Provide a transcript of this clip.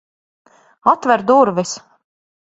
Atver durvis!